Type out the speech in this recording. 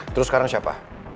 terus sekarang siapa